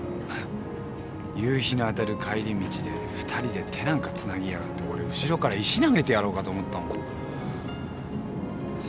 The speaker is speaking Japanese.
夕日の当たる帰り道で２人で手なんかつなぎやがって俺後ろから石投げてやろうかと思ったもん。